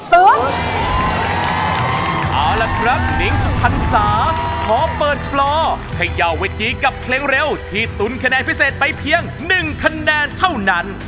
เอาละครับนิ้งสุพรรษาขอเปิดปลอให้ยาวเวทีกับเพลงเร็วที่ตุ๋นคะแนนพิเศษไปเพียง๑คะแนนเท่านั้น